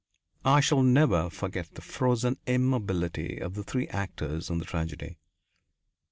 I shall never forget the frozen immobility of the three actors in the tragedy.